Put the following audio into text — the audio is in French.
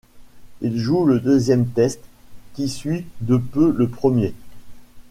Il joue le deuxième test, qui suit de peu le premier.